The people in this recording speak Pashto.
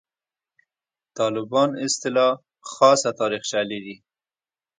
«طالبان» اصطلاح خاصه تاریخچه لري.